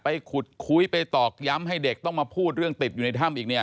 ขุดคุยไปตอกย้ำให้เด็กต้องมาพูดเรื่องติดอยู่ในถ้ำอีกเนี่ย